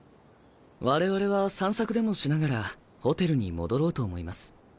我々は散策でもしながらホテルに戻ろうと思います。